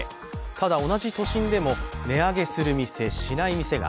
ただ、同じ都心でも値上げする店、しない店が。